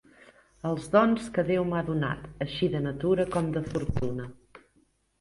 Els dons que Déu m'ha donat, així de natura com de fortuna.